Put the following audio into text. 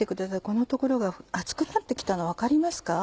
この所が厚くなって来たの分かりますか？